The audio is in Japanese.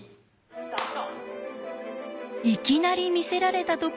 スタート！